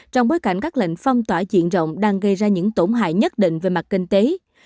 trong bối cảnh các lệnh phong tỏa diện rộng đang gây ra những tổn hại nhất định về mặt kinh tế